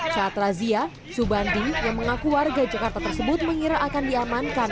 saat razia subandi yang mengaku warga jakarta tersebut mengira akan diamankan